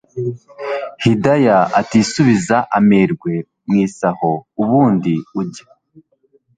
Hidaya atisubiza amerwe mwisaho ubundi ujya